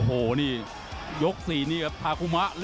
โดนท่องมีอาการ